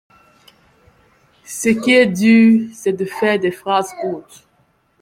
Ce qui est dur, c'est de faire des phrases courtes.